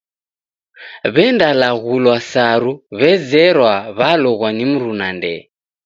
W'endalaghulwa saru w'ezerwa w'aloghwa ni mruna ndee.